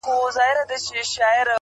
د خرقې خدمت مشکل دي او که نه وي